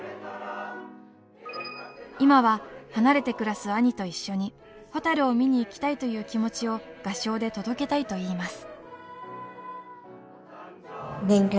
いまは離れて暮らす兄と一緒にほたるを見に行きたいという気持ちを合唱で届けたいといいます。